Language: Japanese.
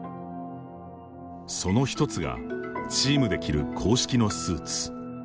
その１つが、チームで着る公式のスーツ。